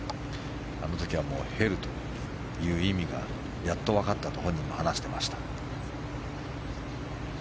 あの時はヘルという意味がやっと分かったと本人も話していました。